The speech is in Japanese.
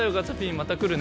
また来るね！